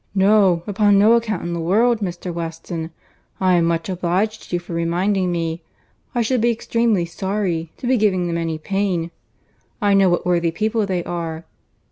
"No, upon no account in the world, Mr. Weston; I am much obliged to you for reminding me. I should be extremely sorry to be giving them any pain. I know what worthy people they are.